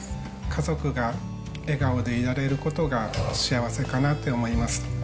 家族が笑顔でいられることが幸せかなって思います。